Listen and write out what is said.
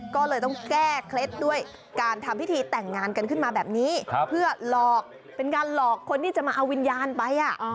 ก็เลยต้องแก้เคล็ดด้วยการทำพิธีแต่งงานกันขึ้นมาแบบนี้เพื่อหลอกเป็นการหลอกคนที่จะมาเอาวิญญาณไป